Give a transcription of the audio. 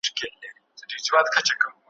نه هوسيو غوندي ښكلي نجوني غورځي ,